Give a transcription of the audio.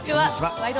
「ワイド！